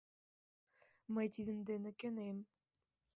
Мый тидын дене кӧнем.